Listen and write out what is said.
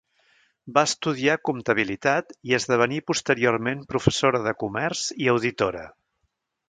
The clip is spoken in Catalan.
Va estudiar comptabilitat i esdevenir posteriorment professora de comerç i auditora.